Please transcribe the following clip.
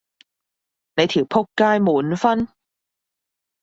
你條僕街滿分？